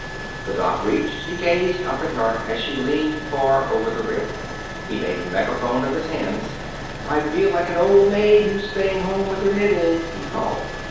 The dock reached, he gazed up at her as she leaned far over the railing. He made a megaphone of his hands. "I feel like an old maid who's staying home with her knitting," he called.